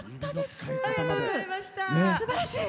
すばらしい！